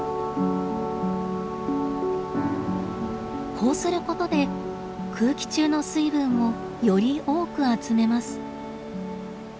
こうすることで空気中の水分をより多く集めます。